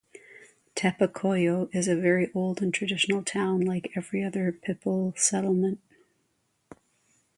Tepecoyo is a very old and traditional town like every other Pipil settlement.